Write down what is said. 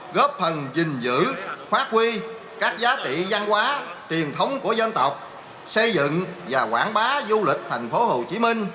góp phần gìn giữ phát huy các giá trị văn hóa truyền thống của dân tộc xây dựng và quảng bá du lịch tp hcm